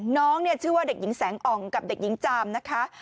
น้องเนี่ยชื่อว่าเด็กหญิงแสงอ่องกับเด็กหญิงจามนะคะ